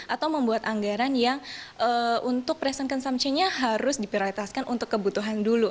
atau membuat anggaran yang untuk present consumption nya harus dipiraltaskan untuk kebutuhan dulu